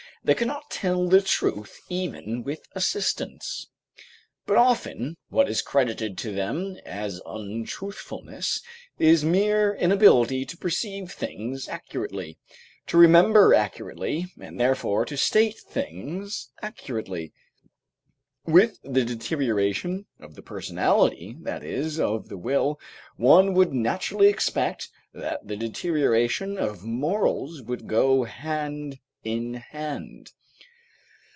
They cannot tell the truth even with assistance. But often what is credited to them as untruthfulness is mere inability to perceive things accurately, to remember accurately, and therefore to state things accurately. With the deterioration of the personality, that is, of the will, one would naturally expect that the deterioration of morals would go hand in hand.